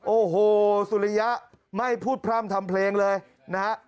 โอ้โหสุริยะไม่พูดพร่ำทำเพลงเลยนะฮะ